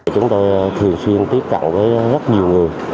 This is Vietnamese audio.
chúng tôi thường xuyên tiếp cận với rất nhiều người